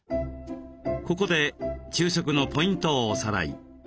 ここで昼食のポイントをおさらい。